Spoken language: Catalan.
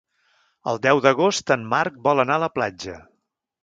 El deu d'agost en Marc vol anar a la platja.